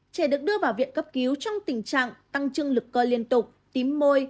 trẻ được đưa vào viện cấp cứu trong tình trạng tăng trưng lực cơ liên tục tím môi